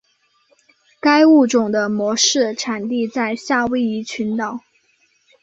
该物种的模式产地在夏威夷群岛。